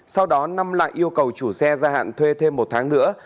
sau đó năm lại yêu cầu chủ xe gia hạn thuê thêm một tháng nữa